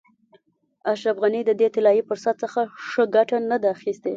اشرف غني د دې طلایي فرصت څخه ښه ګټه نه ده اخیستې.